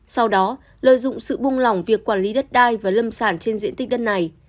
sau đó lợi dụng sự bung lỏng việc quản lý đất đai và lâm sản trên diện tích đất này